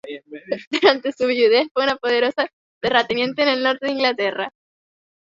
Durante su viudez, fue una poderosa terrateniente en el norte de Inglaterra.